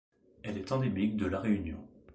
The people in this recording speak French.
Elle est endémique de La Réunion.